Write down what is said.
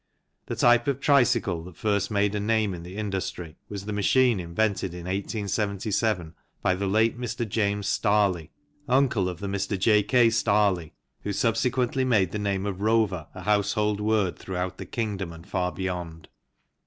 The type of tricycle that first made a name in the industry was the machine invented in 1877 by the late Mr. James Starley, uncle of the Mr. J. K. Starley who subsequently made the name of Rover a household word throughout the kingdom and far beyond.